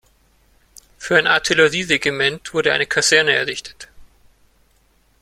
Für ein Artillerieregiment wurde eine Kaserne errichtet.